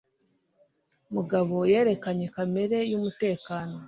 Mugabo yerekanye kamera yumutekano.